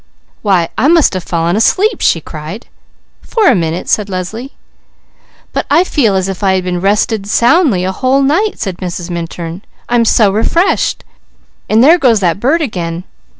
"Why I must have fallen asleep!" she cried. "For a minute," said Leslie. "But I feel as if I had rested soundly a whole night," said Mrs. Minturn. "I'm so refreshed. And there goes that bird again.